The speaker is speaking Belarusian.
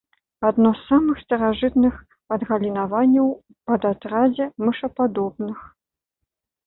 Адно з самых старажытных адгалінаванняў ў падатрадзе мышападобных.